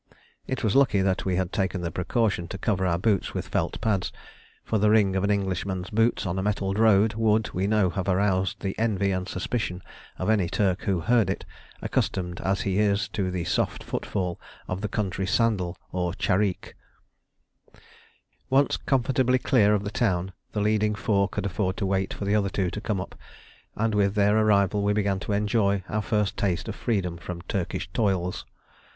It was lucky that we had taken the precaution to cover our boots with felt pads, for the ring of an Englishman's boots on a metalled road would, we know, have aroused the envy and suspicion of any Turk who heard it, accustomed as he is to the soft footfall of the country sandal or "chariq." Once comfortably clear of the town, the leading four could afford to wait for the other two to come up, and with their arrival we began to enjoy our first taste of freedom from Turkish toils.